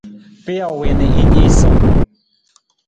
Pijo wii na i niisuu.